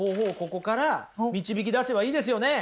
ここから導き出せばいいですよね！